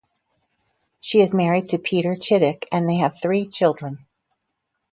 She is married to Peter Chittick, and they have three children.